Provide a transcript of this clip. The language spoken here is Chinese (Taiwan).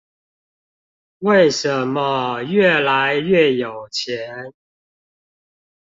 為什麼越來越有錢？